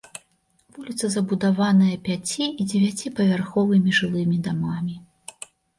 Вуліца забудаваная пяці- і дзевяціпавярховымі жылымі дамамі.